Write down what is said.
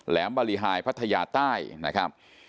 บริหายพัทยาใต้นะครับ